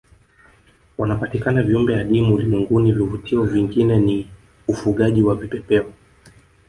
Wanapatikana viumbe adimu ulimwenguni vivutio vingine ni ufugaji wa vipepeo